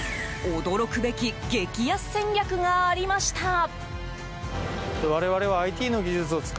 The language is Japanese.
驚くべき激安戦略がありました。